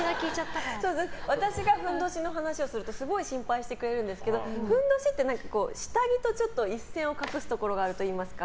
私がふんどしの話をするとすごい心配してくれるんですけどふんどしって下着と一線を画すところがあるといいますか。